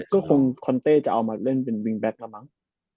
ก็คงคอนเต้จะเอามาเล่นเป็นวิงแบ็คแล้วมั้ง